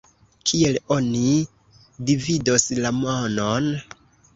Kiel oni dividos la monon?